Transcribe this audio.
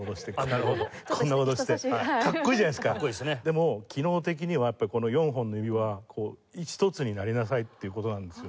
でも機能的にはやっぱりこの４本の指は一つになりなさいっていう事なんですよ。